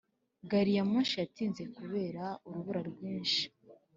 gari ya moshi yatinze kubera urubura rwinshi.